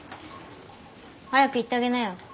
早く行ってあげなよ